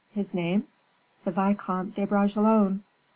"His name?" "The Vicomte de Bragelonne."